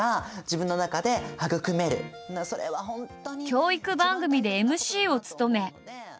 教育番組でＭＣを務め。